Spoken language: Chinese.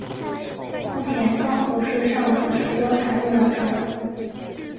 目前庄河市尚有实德牌公交车。